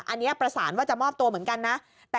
อันนี้ประสานว่าจะมอบตัวเหมือนกันนะ